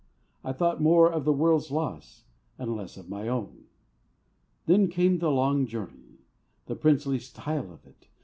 I thought more of the world's loss, and less of my own. Then came the long journey; the princely style of it!